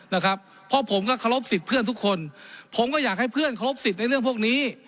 นะครับเพราะผมก็เคารพสิทธิ์เพื่อนทุกคนผมก็อยากให้เพื่อนเคารพสิทธิ์ในเรื่องพวกนี้